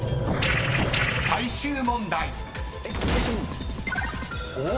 ［最終問題］